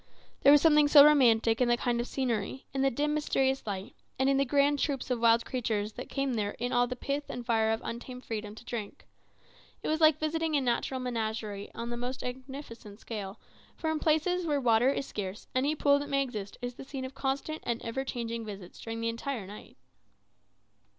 There was something so romantic in the kind of scenery, in the dim mysterious light, and in the grand troops of wild creatures that came there in all the pith and fire of untamed freedom to drink. It was like visiting a natural menagerie on the most magnificent scale; for in places where water is scarce any pool that may exist is the scene of constant and ever changing visits during the entire night.